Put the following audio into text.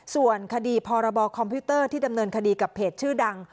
ส่วนคดีพรบคอมพิวเตอร์ที่ดำเนินคดีกับเพจชื่อดัง